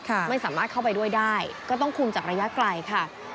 ก็คุมไปด้วยได้ก็ต้องคุมจากระยะไกลค่ะ